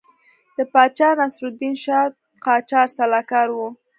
د پاچا ناصرالدین شاه قاجار سلاکار وو.